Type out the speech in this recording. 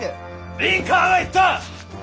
リンカーンは言った！